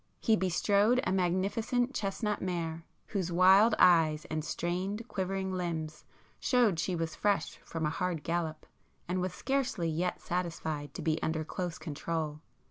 He bestrode a magnificent chestnut mare, whose wild eyes and strained quivering limbs showed she was fresh from a hard gallop and was scarcely yet satisfied to be under close control.